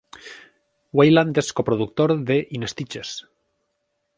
Weiland és coproductor de "In Stitches".